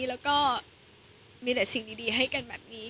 แล้วก็มีแต่สิ่งดีให้กันแบบนี้